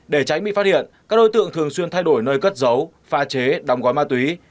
để tránh bị phát hiện các đối tượng thường xuyên thay đổi nơi cất giấu pha chế đóng gói ma túy